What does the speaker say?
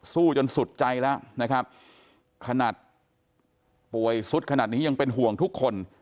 สู้จนสุดใจแล้วนะครับขนาดป่วยสุดขนาดนี้ยังเป็นห่วงทุกคน